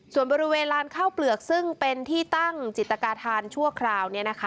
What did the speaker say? ส่วนบริเวณลานข้าวเปลือกซึ่งเป็นที่ตั้งจิตกาธานชั่วคราว